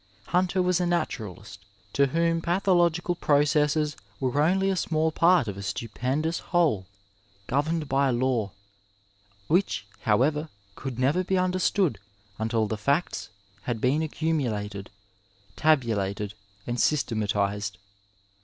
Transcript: Hunter was a naturalist to whom path ological processes were only a small part of a stupendous whole, governed by law, which, however, could never be understood until the facts had been accumulated, tabu lated and systematized.